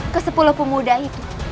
kesepuluh pemuda itu